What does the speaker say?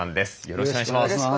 よろしくお願いします。